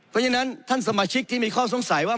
เพราะฉะนั้นท่านสมาชิกที่มีข้อสงสัยว่า